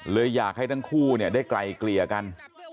อยากให้ทั้งคู่ได้ไกลเกลี่ยกัน